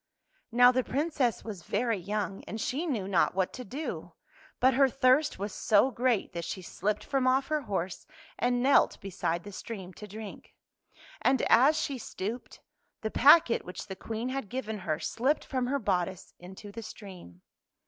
" Now the Princess was very young, and she knew not what to do. But her thirst was so great that she slipped from off her horse and knelt beside the stream to drink. And as she stooped, the packet which the Queen had given her, slipped from her bodice into the stream.